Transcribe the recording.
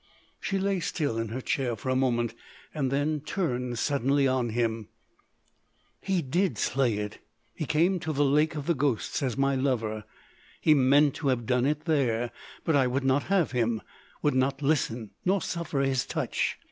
She lay still in her chair for a moment, then turned suddenly on him: "He did slay it! He came to the Lake of the Ghosts as my lover; he meant to have done it there; but I would not have him—would not listen, nor suffer his touch!